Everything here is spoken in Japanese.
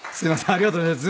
ありがとうございます。